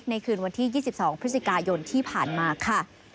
คืนวันที่๒๒พฤศจิกายนที่ผ่านมาค่ะ